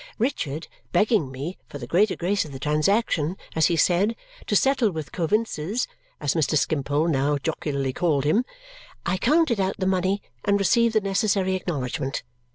Richard, begging me, for the greater grace of the transaction, as he said, to settle with Coavinses (as Mr. Skimpole now jocularly called him), I counted out the money and received the necessary acknowledgment.